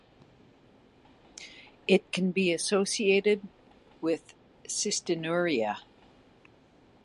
It can be associated with cystinuria.